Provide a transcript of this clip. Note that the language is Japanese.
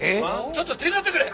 ちょっと手伝ってくれ！